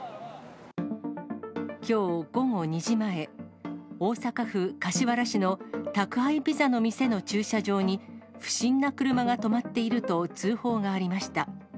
きょう午後２時前、大阪府柏原市の宅配ピザの店の駐車場に、不審な車が止まっていると通報がありました。